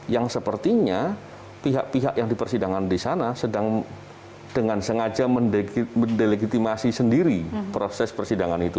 yang sepertinya pihak pihak yang di persidangan di sana sedang dengan sengaja mendelegitimasi sendiri proses persidangan itu